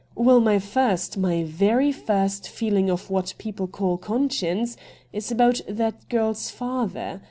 Well, my first, my very first feehng of what people call conscience is about that girl's father.